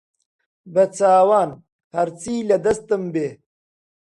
بەچاوان هەرچی لە دەستم بێ